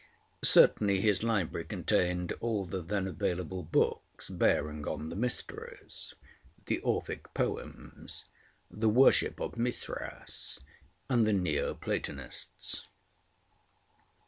Certainly his library contained all the then available books bearing on the Mysteries, the Orphic poems, the worship of Mithras, and the Neo Platonists.